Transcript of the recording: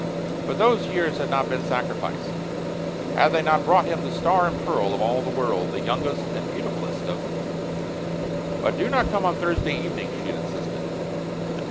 Butthose years had not been sacrificed had they not brought him the star and pearl of all the world, the youngest and beautifulest of "But do not come on Thursday evening," she had insisted.